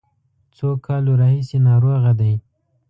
څو کالو راهیسې ناروغه دی.